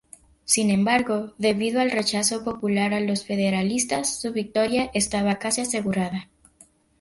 Sin embargo, debido al rechazo popular a los federalistas, su victoria estaba casi asegurada.